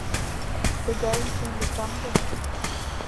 Тыгайым чиен лектам гын